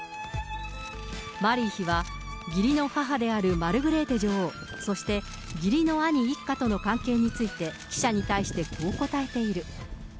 マリー妃は義理の母であるマルグレーテ女王、そして義理の兄一家との関係について、記者に対してこう答えている。